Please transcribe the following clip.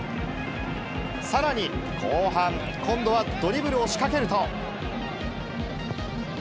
さらに後半、今度はドリブルを仕掛けると。